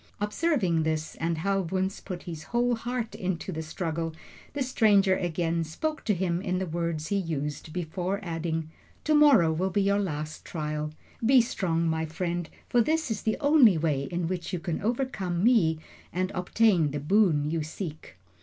Observing this, and how Wunzh put his whole heart into the struggle, the stranger again spoke to him in the words he used before, adding: "To morrow will be your last trial. Be strong, my friend, for this is the only way in which you can overcome me and obtain the boon you seek."